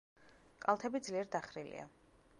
კალთები ძლიერ დახრილია.